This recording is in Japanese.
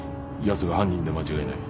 やつが犯人で間違いない。